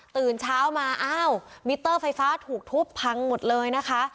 ตื่นเช้ามาอ้าวมิเตอร์ไฟฟ้าถูกทุบพังหมดเลยนะคะ